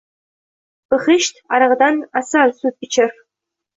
Bihisht arig‘idan asal sut ichir